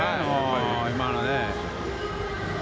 今のね。